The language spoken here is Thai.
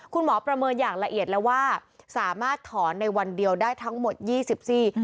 ประเมินอย่างละเอียดแล้วว่าสามารถถอนในวันเดียวได้ทั้งหมดยี่สิบซี่